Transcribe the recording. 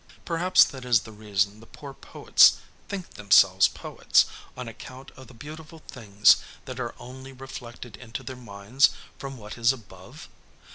Perhaps that is the reason the poor poets think themselves poets, on account of the beautiful things that are only reflected into their minds from what is above?